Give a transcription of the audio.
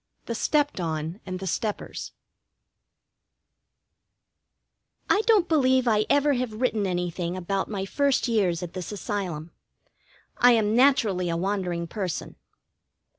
IV THE STEPPED ON AND THE STEPPERS I don't believe I ever have written anything about my first years at this Asylum. I am naturally a wandering person.